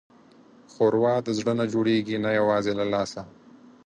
ښوروا د زړه نه جوړېږي، نه یوازې له لاسه.